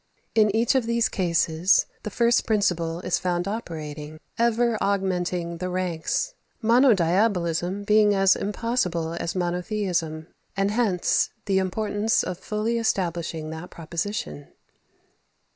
In each of these cases, the first principle is found operating, ever augmenting the ranks; monodiabolism being as impossible as monotheism; and hence the importance of fully establishing that proposition.